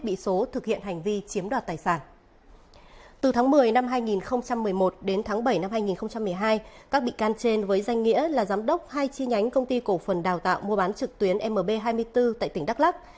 từ tháng một mươi năm hai nghìn một mươi một đến tháng bảy năm hai nghìn một mươi hai các bị can trên với danh nghĩa là giám đốc hai chi nhánh công ty cổ phần đào tạo mua bán trực tuyến mb hai mươi bốn tại tỉnh đắk lắc